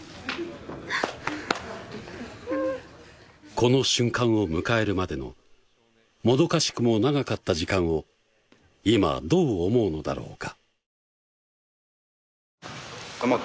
この瞬間を迎えるまでのもどかしくも長かった時間を今どう思うのだろうか